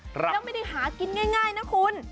แล้วไม่ได้หากินง่ายนะคุณ